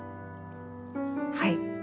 はい。